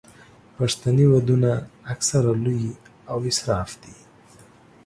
پښتني ودونه اکثره لوی او اسراف دي.